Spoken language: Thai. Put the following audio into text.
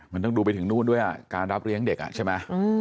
มันต้องดูไปถึงนู่นด้วยการรับเลี้ยงเด็กอ่ะใช่ไหม